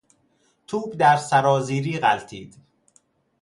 توپ در سرازیری غلتید.